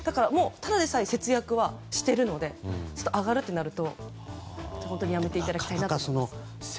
ただでさえ節約をしているので上がるってなると、本当にやめていただきたいですね。